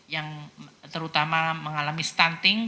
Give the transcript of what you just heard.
yang terutama mengalami stunting